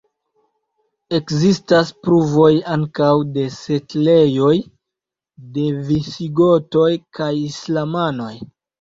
Ekzistas pruvoj ankaŭ de setlejoj de la visigotoj kaj islamanoj.